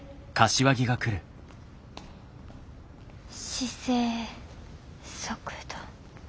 姿勢速度。